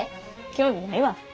興味ないわ。